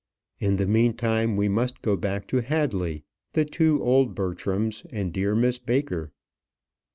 In the meantime, we must go back to Hadley the two old Bertrams, and dear Miss Baker.